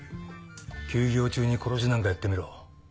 休業中に殺しなんかやってみろ。